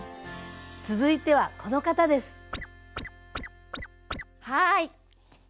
続いてはこの方です！